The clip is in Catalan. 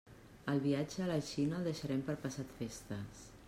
El viatge a la Xina el deixarem per passat festes.